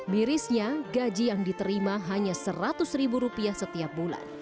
mirisnya gaji yang diterima hanya seratus ribu rupiah setiap bulan